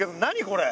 これ。